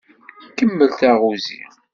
Kemmel taɣuzi.